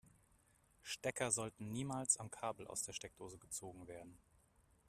Stecker sollten niemals am Kabel aus der Steckdose gezogen werden.